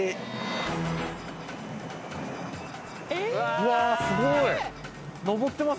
うわすごい！